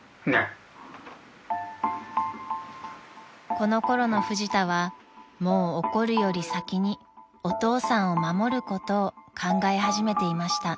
［この頃のフジタはもう怒るより先にお父さんを守ることを考え始めていました］